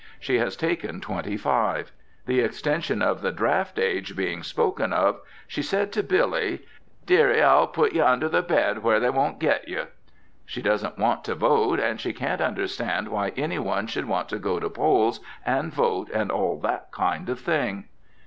She has taken twenty five. The extension of the draft age being spoken of, she said to Billy: "Dearie, I'll put you under the bed where they won't get you." She doesn't want to vote, and she can't understand why any one should want to go to poles and vote and all that kind of thing.